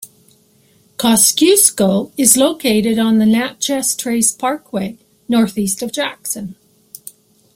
Kosciusko is located on the Natchez Trace Parkway, northeast of Jackson.